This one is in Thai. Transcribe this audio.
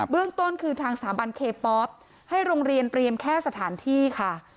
เรื่องต้นคือทางสถาบันเคป๊อปให้โรงเรียนเตรียมแค่สถานที่ค่ะ